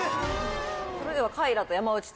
それでは。